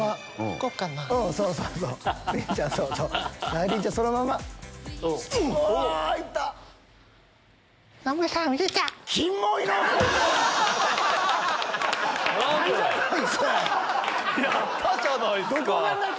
やったじゃないっすか！